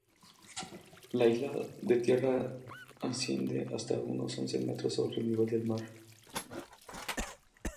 La isla de Tierra asciende hasta unos once metros sobre el nivel del mar.